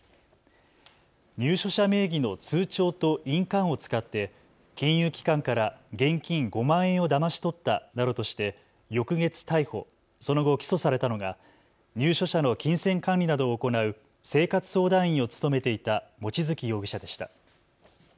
入所者名義の通帳と印鑑を使って金融機関から現金５万円をだまし取ったなどとして翌月逮捕、その後起訴されたのが入所者の金銭管理などを行う生活相談員を務めていた望月容疑者でした。